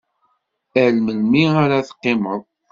Ar melmi ara teqqimeḍ?